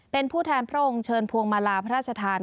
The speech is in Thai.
เป็นผู้แทนพระองค์เชิญพวงมาลาพระราชทาน